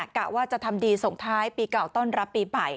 กะว่าจะทำดีส่งท้ายปีเก่าต้อนรับปีใหม่